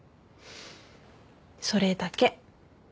それだけ。